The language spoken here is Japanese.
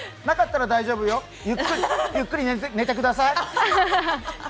なかったら大丈夫よゆっくり寝てください。